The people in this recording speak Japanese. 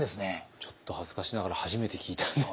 ちょっと恥ずかしながら初めて聞いたんですが。